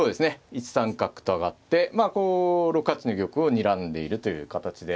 １三角と上がってまあこう６八の玉をにらんでいるという形で。